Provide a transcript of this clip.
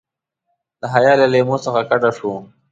له حیا له لیمو څخه کډه شو.